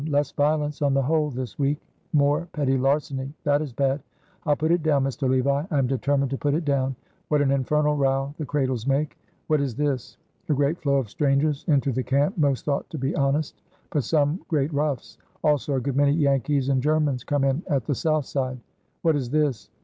'Less violence on the whole this week; more petty larceny.' That is bad. I'll put it down, Mr. Levi. I am determined to put it down. What an infernal row the cradles make. What is this? 'A great flow of strangers into the camp, most thought to be honest, but some great roughs; also a good many Yankees and Germans come in at the south side.' What is this?